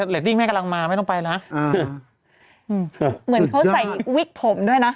เหมือนเขาใส่วิกผมด้วยนะ